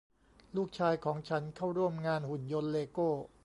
ลูกชายของฉันเข้าร่วมงานหุ่นยนต์เลโก้